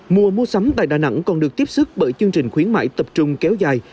mùa mua sắm tại đà nẵng còn được tiếp xúc bởi chương trình khuyến mãi tập trung kéo dài